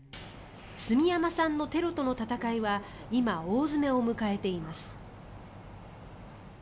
住山さんのテロとの闘いは今、大詰めを迎えています。